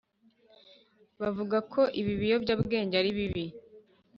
bavuga ko ibi biyobya bwenge ari bibi